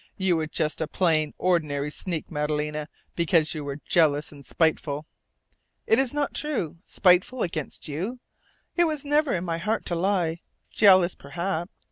You were just a plain, ordinary sneak, Madalena, because you were jealous and spiteful." "It is not true! Spiteful against you! It was never in my heart to lie. Jealous, perhaps.